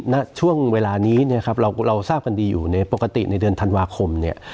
ณช่วงเวลานี้เนี่ยครับเราทราบกันดีอยู่ในปกติในเดือนธันวาคมเนี่ย